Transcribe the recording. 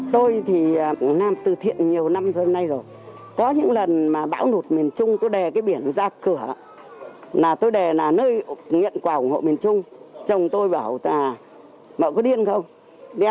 tôi thì làm từ thiện nhiều năm rồi có những lần bão nụt miền trung tôi đè cái biển ra cửa tôi đè nơi nhận quà ủng hộ miền trung chồng tôi bảo là bà có điên không